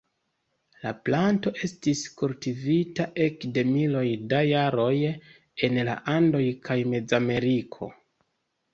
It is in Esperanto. La planto estis kultivita ekde miloj da jaroj en la Andoj kaj Mezameriko.